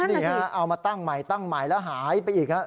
นี่ฮะเอามาตั้งหมายตั้งหมายแล้วหายไปอีกฮะ